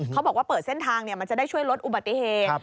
เขาบอกว่าเปิดเส้นทางมันจะได้ช่วยลดอุบัติเหตุ